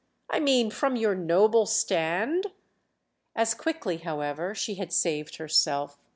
I mean from your noble stand." As quickly, however, she had saved herself.